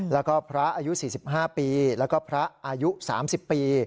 แล้วก็พระอายุ๔๕ปีแล้วก็พระอายุ๓๐ปี